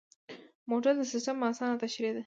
موډل د سیسټم اسانه تشریح ده.